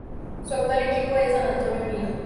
Su actual equipo es San Antonio Unido.